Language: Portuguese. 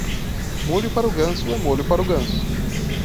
Molho para o ganso é molho para o ganso.